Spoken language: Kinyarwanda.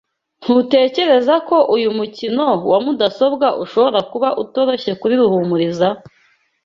Ntutekereza ko uyu mukino wa mudasobwa ushobora kuba utoroshye kuri Ruhumuriza?